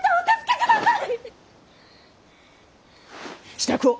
支度を。